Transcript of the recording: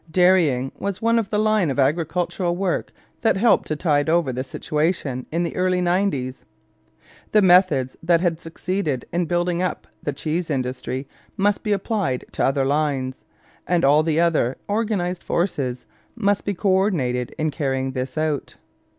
Dairying was the one line of agricultural work that helped to tide over the situation in the early nineties. The methods that had succeeded in building up the cheese industry must be applied to other lines, and all the organized forces must be co ordinated in carrying this out.